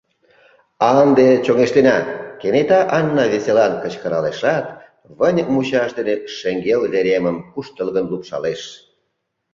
— А ынде чоҥештена! — кенета Анна веселан кычкыралешат, выньык мучаш дене шеҥгел веремым куштылгын лупшалеш.